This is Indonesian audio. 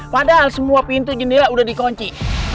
padahal semua pintu jendela sudah dikunci